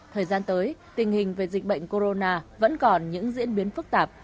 thời gian tới tình hình về dịch bệnh corona vẫn còn những diễn biến phức tạp